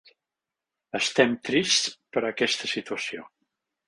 Estem trists per aquesta situació.